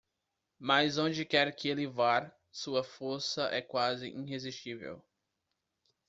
Mas onde quer que ele vá, sua força é quase irresistível.